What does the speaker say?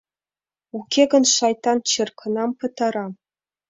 Уке гын шайтан черкынам пытара.